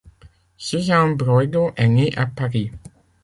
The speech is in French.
Suzanne Broydo est née à Paris.